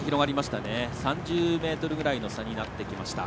３０ｍぐらいの差になってきました。